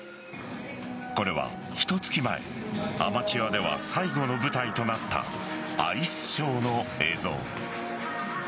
これはひと月前アマチュアでは最後の舞台となったアイスショーの映像。